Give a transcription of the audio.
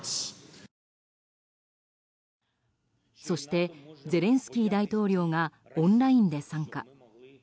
そしてゼレンスキー大統領がオンラインで参加。